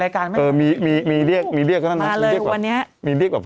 รายการเออมีมีมีเรียกมีเรียกก็นั่นนะมาเลยวันนี้มีเรียกแบบ